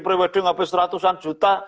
pre wedding habis ratusan juta